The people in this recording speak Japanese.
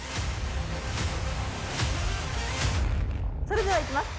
それではいきます。